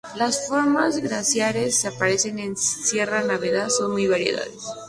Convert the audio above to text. Las formas glaciares que aparecen en Sierra Nevada son muy variadas.